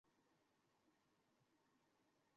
কোথায় আপনার বাড়ি?